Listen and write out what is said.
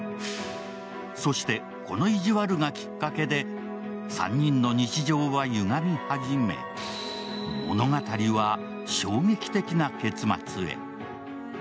そしてこの意地悪がきっかけで３人の日常はゆがみ始め物語は衝撃的な結末へ。